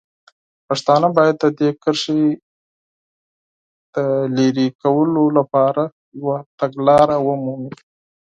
پښتانه باید د دې کرښې د لرې کولو لپاره یوه تګلاره ومومي.